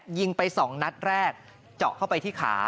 ยิงไป๒นัดแรกเจาะเข้าไปที่ขา